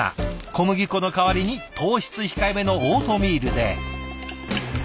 小麦粉の代わりに糖質控えめのオートミールで。